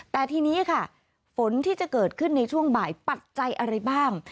แต่ทีนี้ค่ะฝนที่จะเกิดขึ้นในช่วงบ่ายปัจจัยอะไรบ้าง